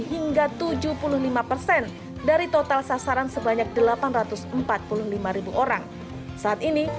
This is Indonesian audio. hingga tujuh puluh lima persen dari total sasaran sebanyak delapan ratus empat puluh lima ribu orang saat ini